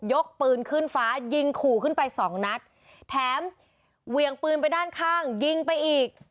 ปืนขึ้นฟ้ายิงขู่ขึ้นไปสองนัดแถมเวียงปืนไปด้านข้างยิงไปอีก